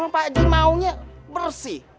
pak haji maunya bersih